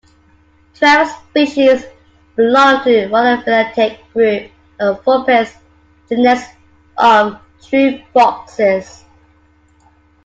Twelve species belong to the monophyletic group of "Vulpes" genus of "true foxes".